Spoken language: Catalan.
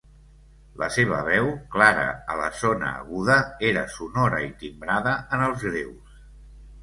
La seva veu, clara a la zona aguda, era sonora i timbrada en els greus.